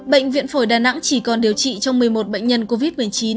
bệnh viện phổi đà nẵng chỉ còn điều trị trong một mươi một bệnh nhân covid một mươi chín